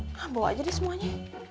wah bawa aja deh semuanya